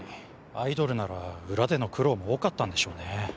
アイドルなら裏での苦労も多かったんでしょうね。